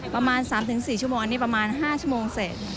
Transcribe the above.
ประมาณ๓๔ชั่วโมงนี่ประมาณ๕ชั่วโมงเสร็จ